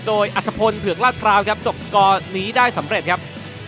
โดยอัฐพลเผือกลาดพร้าวครับจบสกอร์นี้ได้สำเร็จครับ